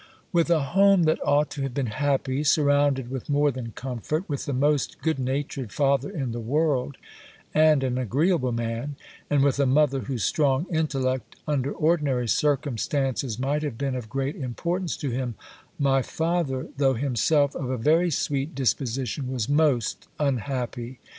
With a home that ought to have been happy, surrounded with more than comfort, with the most good natured father in the world, and an agreeable man; and with a mother whose strong intellect, under ordinary circumstances, might have been of great importance to him; my father, though himself of a very sweet disposition, was most unhappy.